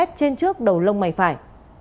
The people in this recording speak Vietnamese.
trên trước đầu lông mày phải